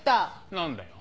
何だよ。